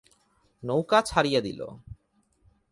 নৌকা ছাড়িয়া দিল।